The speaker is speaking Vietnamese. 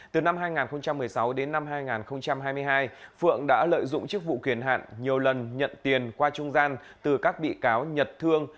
từ năm hai nghìn một mươi sáu đến năm hai nghìn hai mươi hai phượng đã lợi dụng chức vụ kiền hạn nhiều lần nhận tiền qua trung gian từ các bị cáo nhật thương